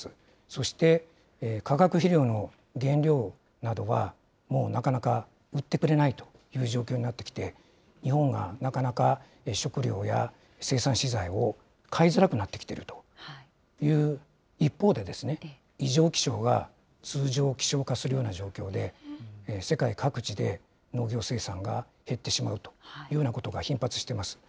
そして化学肥料の原料などはもうなかなか売ってくれないという状況になってきて、日本がなかなか食料や生産資材を買いづらくなってきているという一方で、異常気象が通常気象化するような状況で、世界各地で農業生産が減ってしまうというようなことが頻発してます。